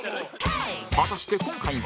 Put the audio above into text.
果たして今回は？